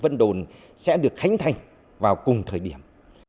vân đồn sẽ được khánh thành vào cùng thời điểm